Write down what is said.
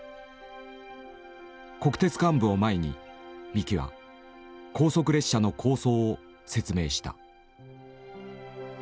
国鉄幹部を前に三木は高速列車の構想を説明した。